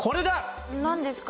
何ですか？